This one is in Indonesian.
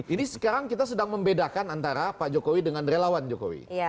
ini sekarang kita sedang membedakan antara pak jokowi dengan relawan jokowi